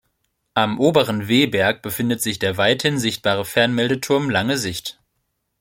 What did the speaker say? Am oberen Wehberg befindet sich der weithin sichtbare Fernmeldeturm Lange Sicht.